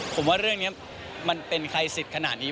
ผมว่าเรื่องนี้มันเป็นใครสิทธิ์ขนาดนี้